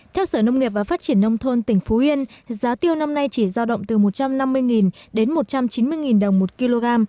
theo sở nông nghiệp và phát triển nông thôn tỉnh phú yên giá tiêu năm nay chỉ giao động từ một trăm năm mươi đến một trăm chín mươi đồng một kg